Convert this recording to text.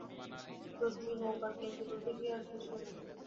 রজ্জু নৌকার কিঞ্চিৎ ঊর্ধ্বে গিয়া শেষ হইল।